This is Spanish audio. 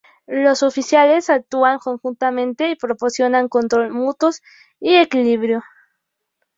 Los oficiales actuaron conjuntamente y proporcionaron controles mutuos y equilibrio.